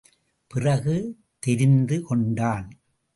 பிறகு தெரிந்து கொண்டான்.